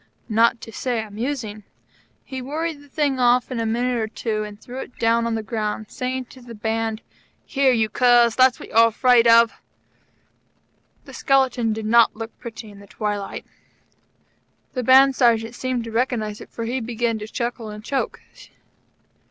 Not to say amusing. He worried the thing off in a minute or two, and threw it down on the ground, saying to the Band: "Here, you curs, that's what you're afraid of." The skeleton did not look pretty in the twilight. The Band Sergeant seemed to recognize it, for he began to chuckle and choke.